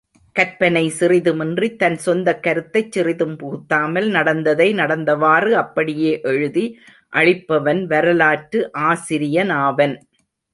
கற்பனை சிறிதுமின்றி தன் சொந்தக் கருத்தைச் சிறிதும் புகுத்தாமல், நடந்ததை நடந்தவாறு அப்படியே எழுதி அளிப்பவன் வரலாற்று ஆசிரியனானவன்.